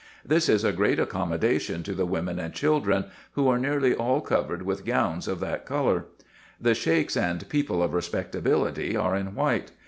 This is a great accommodation to the women and children, who are nearly all covered with gowns of that colour. The Sheiks and people of respectability are in white.